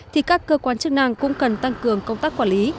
thì các cơ quan chức năng cũng cần tăng cường công tác quản lý